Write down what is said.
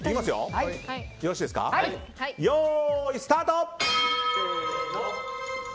よーい、スタート！